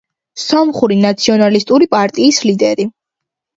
სომხური ნაციონალისტური პარტიის ლიდერი.